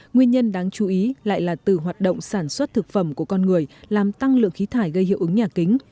nguyên nhân đáng chú ý lại là từ hoạt động sản xuất thực phẩm của con người làm tăng lượng khí thải gây hiệu ứng nhà kính